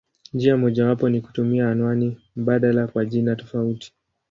Njia mojawapo ni kutumia anwani mbadala kwa jina tofauti.